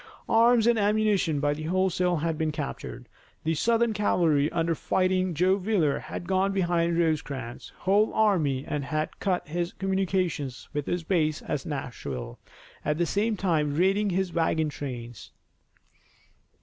Arms and ammunition by the wholesale had been captured. The Southern cavalry under Fighting Joe Wheeler had gone behind Rosecrans' whole army and had cut his communications with his base at Nashville, at the same time raiding his wagon trains.